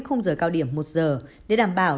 không giờ cao điểm một giờ để đảm bảo